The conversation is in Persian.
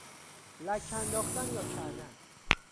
لک انداختن یا کردن